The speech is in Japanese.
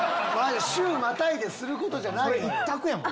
週またいですることじゃない。